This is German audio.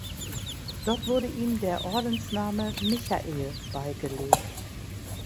Dort wurde ihm der Ordensname „Michael“ beigelegt.